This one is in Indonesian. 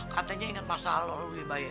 katanya ingat masa lalu lebih baik